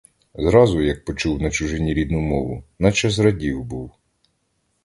Зразу, як почув на чужині рідну мову, наче зрадів був.